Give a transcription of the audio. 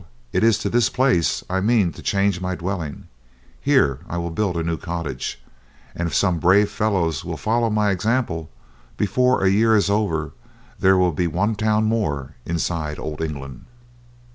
it is to this place I mean to change my dwelling, here I will build a new cottage, and if some brave fellows will follow my example, before a year is over there will be one town more inside old England."